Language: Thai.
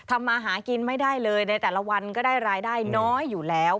มาหากินไม่ได้เลยในแต่ละวันก็ได้รายได้น้อยอยู่แล้ว